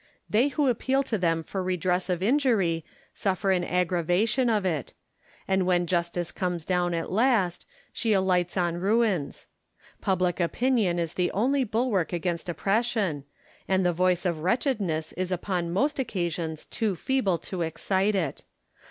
They who appeal to them for redress of injury suffer an aggravation of it ; and when Justice comes down at last, she alights on ruins. Public opinion is the only bulwark against oppression, and the voice of wretchedness is upon most occasions too feeble to excite it.